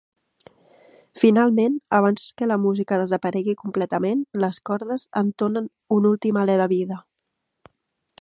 Finalment, abans que la música desaparegui completament, les cordes entonen un últim alè de vida.